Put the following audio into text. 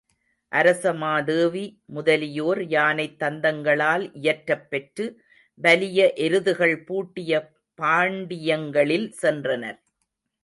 அரச மாதேவி முதலியோர் யானைத் தந்தங்களால் இயற்றப் பெற்று வலிய எருதுகள் பூட்டிய பாண்டியங்களில் சென்றனர்.